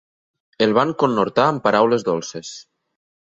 El van conhortar amb paraules dolces.